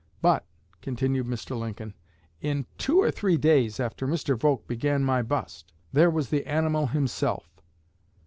'But,' continued Mr. Lincoln, 'in two or three days after Mr. Volk began my bust, there was the animal himself!'